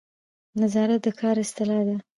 نظارت د کار اصلاح ده